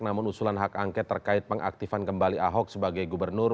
namun usulan hak angket terkait pengaktifan kembali ahok sebagai gubernur